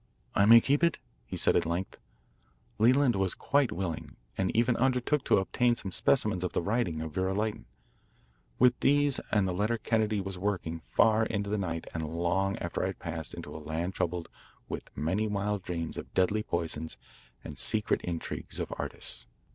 "I may keep it?" he asked at length. Leland was quite willing and even undertook to obtain some specimens of the writing of Vera Lytton. With these and the letter Kennedy was working far into the night and long after I had passed into a land troubled with many wild dreams of deadly poisons and secret intrigues of artists.